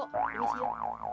orang aku mau pulang kok